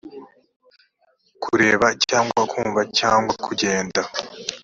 kureba cyangwa kumva cyangwa kugenda